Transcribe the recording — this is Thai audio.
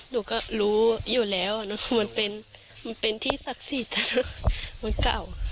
หนูก็รู้อยู่แล้วคือมันเป็นที่ศักดิ์สิทธิ์มันเก่า